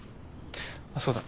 あっそうだ。